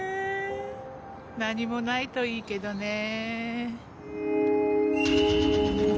何もないといいけどね。ねぇ？